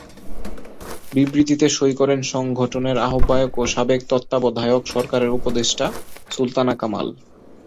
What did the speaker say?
বিবৃতিতে সই করেন সংগঠনের আহ্বায়ক ও সাবেক তত্ত্বাবধায়ক সরকারের উপদেষ্টা সুলতানা কামাল।